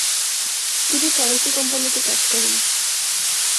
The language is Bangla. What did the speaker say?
তিনি ফরাসি কোম্পানিতে কাজ করেন।